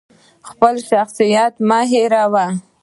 خپل شخصیت مه هیروه!